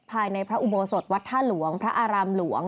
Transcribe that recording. ภายในพระอุโบสถวัดท่าหลวงพระอารามหลวง